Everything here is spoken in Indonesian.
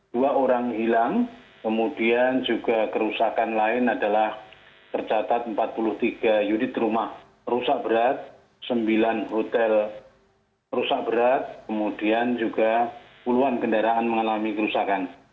dua orang hilang kemudian juga kerusakan lain adalah tercatat empat puluh tiga unit rumah rusak berat sembilan hotel rusak berat kemudian juga puluhan kendaraan mengalami kerusakan